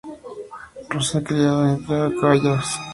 Rose criaba y entrenaba caballos.